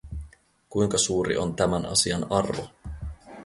Kuinka suuri on tämän asian arvo?